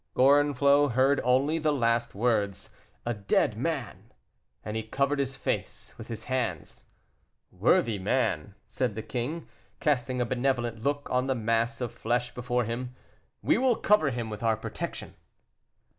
Gorenflot heard only the last words, "a dead man"; and he covered his face with his hands. "Worthy man," said the king, casting a benevolent look on the mass of flesh before him, "we will cover him with our protection."